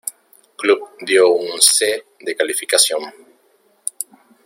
Club dio un C-de calificación.